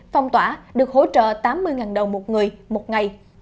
phong tỏa được hỗ trợ tám mươi đồng một người một ngày